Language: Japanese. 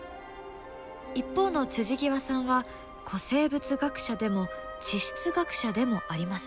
一方の極さんは古生物学者でも地質学者でもありません。